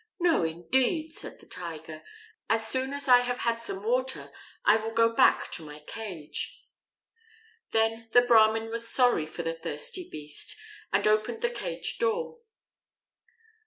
"No, indeed," said the Tiger. "As soon as I have had some water, I will go back to my cage." Then the Brahmin was sorry for the thirsty beast, and opened the cage door.